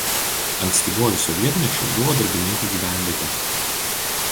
Ankstyvuoju sovietmečiu buvo darbininkų gyvenvietė.